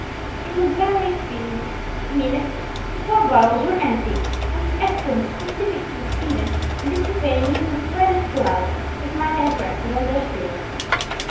In a very few minutes the four bottles were empty and this excellent specific succeeded in dissipating even the slightest cloud that might have rested on their spirits.